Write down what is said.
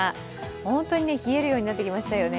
本当に冷えるようになってきましたよね。